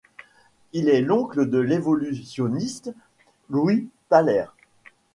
Il est l'oncle de l'évolutionniste Louis Thaler.